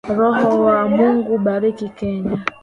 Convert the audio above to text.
Roho wa Mungu Bariki kenya